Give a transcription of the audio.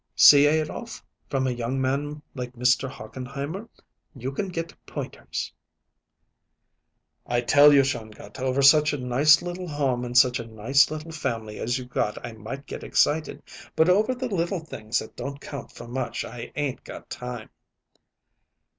"See, Adolph; from a young man like Mr. Hochenheimer you can get pointers." "I tell you, Shongut, over such a nice little home and such a nice little family as you got I might get excited; but over the little things that don't count for much I 'ain't got time."